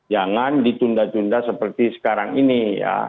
jangan ditunda tunda seperti sekarang ini ya